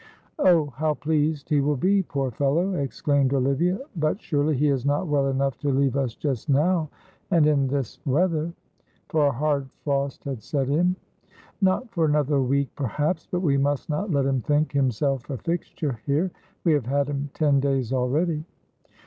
"Oh, how pleased he will be, poor fellow," exclaimed Olivia, "but surely he is not well enough to leave us just now, and in this weather?" for a hard frost had set in. "Not for another week, perhaps, but we must not let him think himself a fixture here. We have had him ten days already."